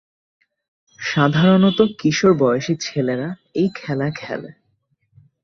সাধারণত কিশোর বয়সী ছেলেরা এই খেলা খেলে।